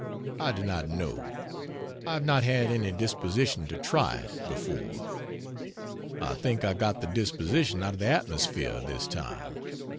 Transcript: I do not know; I have not had any disposition to try it, before. I think I got the disposition out of the atmosphere, this time.